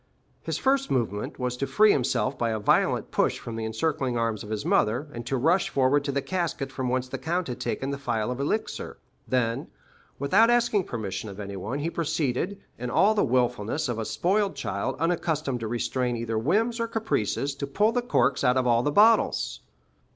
His first movement was to free himself by a violent push from the encircling arms of his mother, and to rush forward to the casket from whence the count had taken the phial of elixir; then, without asking permission of anyone, he proceeded, in all the wilfulness of a spoiled child unaccustomed to restrain either whims or caprices, to pull the corks out of all the bottles.